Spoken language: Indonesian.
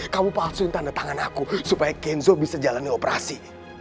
kamu palsuin tanda tangan aku supaya kenzo bisa jalani operasi